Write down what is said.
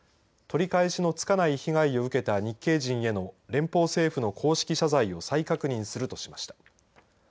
取り返しのつかない被害を受けた日系人への連邦政府の公式謝罪を再確認するとしました。